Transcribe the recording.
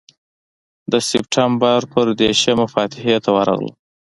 د سپټمبر پر دېرشمه فاتحې ته ورغلم.